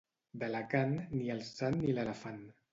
D'Alacant, ni el sant ni l'elefant.